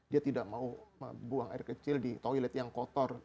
dia tidak mau buang air kecil di toilet yang kotor